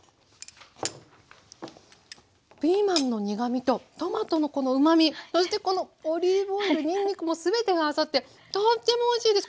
ピーマンの苦みとトマトのこのうまみそしてこのオリーブオイルにんにくも全てが合わさってとってもおいしいです。